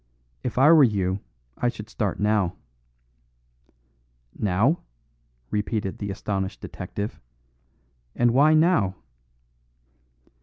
If I were you I should start now." "Now," repeated the astonished detective, "and why now?"